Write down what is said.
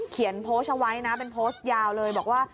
โพสต์เอาไว้นะเป็นโพสต์ยาวเลยบอกว่า